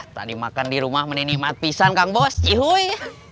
tak dimakan dirumah meninimat pisan kak bos ihuy